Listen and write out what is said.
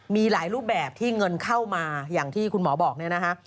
มีหลายรูปแบบที่เงินเข้ามาอย่างที่คุณหมอบอกเนี่ยนะฮะ